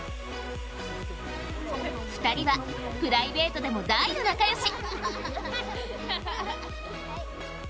２人はプライベートでも大の仲よし。